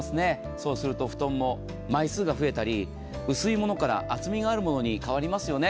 そうすると、布団も枚数が増えたり、薄いものから厚みがあるのもに変わりますよね。